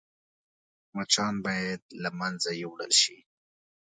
مچان باید له منځه يوړل شي